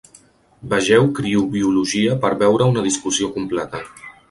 Vegeu criobiologia per veure una discussió completa.